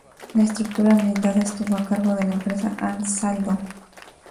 La estructura blindada estuvo a cargo de la empresa Ansaldo.